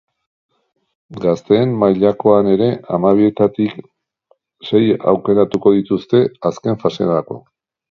Gazteen mailakoan ere, hamabietatik sei aukeratuko dituzte azken faserako.